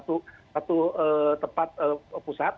tidak ada satu tempat pusat